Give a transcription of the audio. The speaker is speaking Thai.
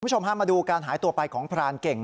พามาดูการหายตัวไปของพรานเก่ง